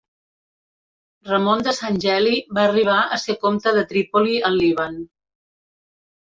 Ramon de Sant Geli va arribar a ser comte de Trípoli al Líban.